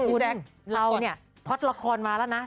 คุณแจ๊คเราเนี่ยฮอตละครมาแล้วนะ